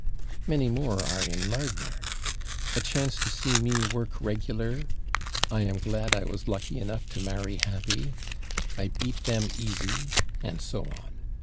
Many more are in Lardner: "a chance to see me work /regular/," "I am glad I was lucky enough to marry /happy/," "I beat them /easy/," and so on.